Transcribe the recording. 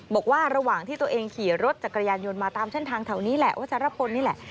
บอกว่าระหว่างที่ตัวเองขี่รถจากกระยานยนต์มาตามเช่นทางแถวนี้แหละ